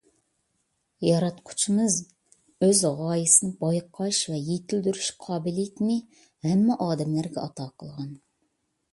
ياراتقۇچىمىز ئۆز غايىسىنى بايقاش ۋە يېتىلدۈرۈش قابىلىيىتىنى ھەممە ئادەملەرگە ئاتا قىلغان.